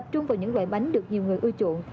tập trung vào những loại bánh được nhiều người ưu chuộng